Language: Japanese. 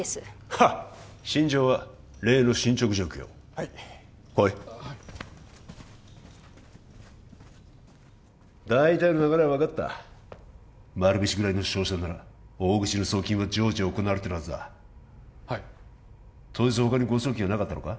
ハッ新庄は例の進捗状況をはい来いはい大体の流れは分かった丸菱ぐらいの商社なら大口の送金は常時行われてるはずだはい当日他に誤送金はなかったのか？